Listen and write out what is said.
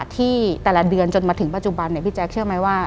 ที่แต่ละเดือนจนมาถึงปัจจุบันพี่แจ๊คเชื่อไหมว่า